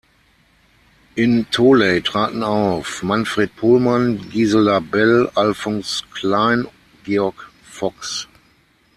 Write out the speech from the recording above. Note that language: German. In Tholey traten auf: Manfred Pohlmann, Gisela Bell, Alfons Klein, Georg Fox.